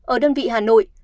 ở đơn vị hà nội